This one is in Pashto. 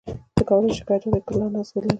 ته کولای شې شکایت وکړې چې ګلان اغزي لري.